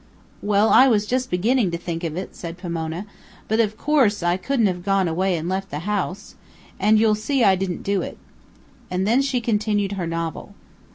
"Well, I was just beginning to think of it," said Pomona, "but of course I couldn't have gone away and left the house. And you'll see I didn't do it." And then she continued her novel.